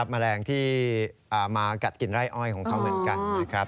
แมลงที่มากัดกลิ่นไร้อ้อยของเขาเหมือนกัน